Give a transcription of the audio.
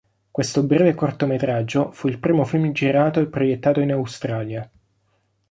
Questo breve cortometraggio fu il primo film girato e proiettato in Australia.